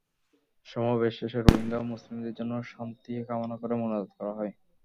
সমাবেশ শেষে রোহিঙ্গা মুসলিমদের জন্য শান্তি কামনা করে মোনাজাত করা হয়।